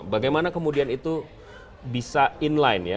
bagaimana kemudian itu bisa inline ya